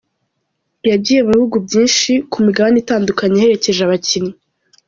Yagiye mu bihugu byinshi, ku migabane itandukanye aherekeje abakinnyi.